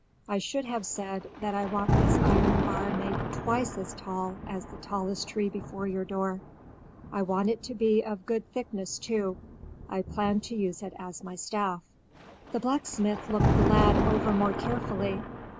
I should have said that I want this iron bar made twice as tall as the tallest tree before your door. I want it to be of good thickness, too. I plan to use it as my staff." The blacksmith looked the lad over more carefully.